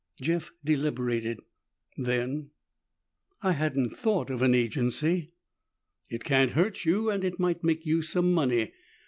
Jeff deliberated. Then, "I hadn't thought of an agency." "It can't hurt you and it might make you some money.